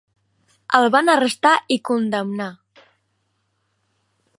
El van arrestar i condemnar.